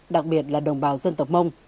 đặc biệt là đồng bào dân tộc mông